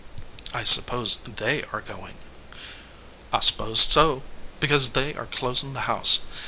"I suppose They are goin ?" "I s pose so, because they are closiri the house.